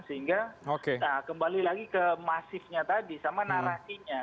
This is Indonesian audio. sehingga kembali lagi ke masifnya tadi sama narasinya